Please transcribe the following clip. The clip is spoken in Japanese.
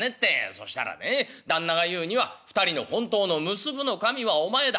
そしたらね旦那が言うには『２人の本当の結ぶの神はお前だ。